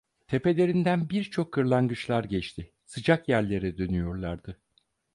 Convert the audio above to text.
Tepelerinden birçok kırlangıçlar geçti: Sıcak yerlere dönüyorlardı.